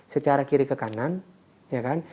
secara kiri ke kanan